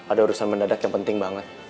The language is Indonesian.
ada urusan mendadak yang penting banget